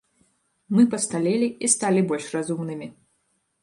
Мы пасталелі і сталі больш разумнымі.